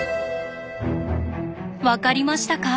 わかりましたか？